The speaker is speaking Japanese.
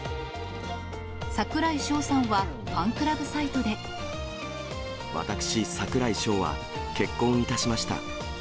櫻井翔さんは、ファンクラブサイ私櫻井翔は、結婚いたしました。